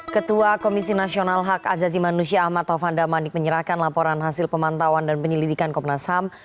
ketua komisi nasional hak azazi manusia ahmad taufan damanik menyerahkan laporan hasil pemantauan dan penyelidikan komnas ham